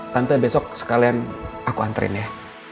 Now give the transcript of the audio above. tante besok sekalian aku antren ya